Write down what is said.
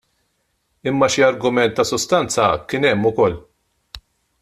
Imma xi argument ta' sustanza kien hemm ukoll.